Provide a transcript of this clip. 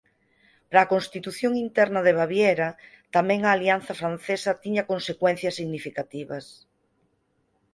Para a constitución interna de Baviera tamén a alianza francesa tiña consecuencias significativas.